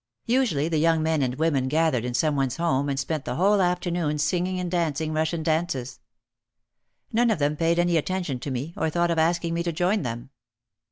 Usually the young men and women gathered in some one's home and spent the whole afternoon sing ing and dancing Russian dances. None of them paid any attention to me or thought of asking me to join them.